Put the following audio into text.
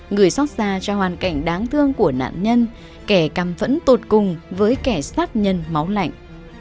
người sóc ra cho hoàn cảnh đáng thương của nạn nhân kẻ căm phẫn tột cùng với kẻ sát nhân máu lạnh